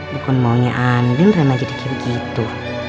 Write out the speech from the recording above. bukan maunya andin reina jadi kiri gitu